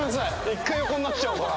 １回横になっちゃおうかな。